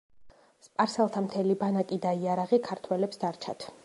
სპარსელთა მთელი ბანაკი და იარაღი ქართველებს დარჩათ.